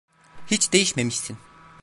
Hiç değişmemişsin.